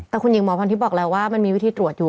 แต่คุณหญิงหมอพรทิพย์บอกแล้วว่ามันมีวิธีตรวจอยู่